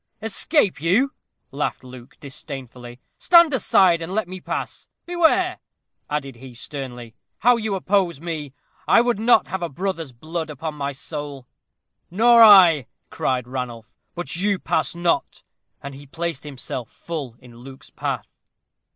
"Escape you!" laughed Luke, disdainfully. "Stand aside, and let me pass. Beware," added he, sternly, "how you oppose me. I would not have a brother's blood upon my soul." "Nor I," cried Ranulph; "but you pass not." And he placed himself full in Luke's path.